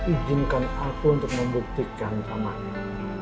ijinkan aku untuk membuktikan sama el